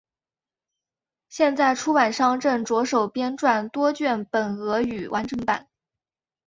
现在出版商正着手编撰多卷本俄语完整版。